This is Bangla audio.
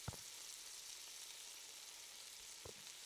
বালিকাবধূকে মুগ্ধ করার জন্য রাত তিনটার দিকে তাকে ম্যাজিক দেখাতে শুরু কললাম।